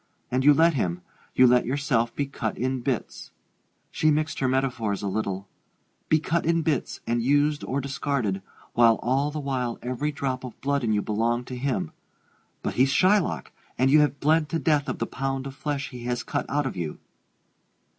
And you let him you let yourself be cut in bits' she mixed her metaphors a little 'be cut in bits, and used or discarded, while all the while every drop of blood in you belonged to him! But he's Shylock and you have bled to death of the pound of flesh he has cut out of you.'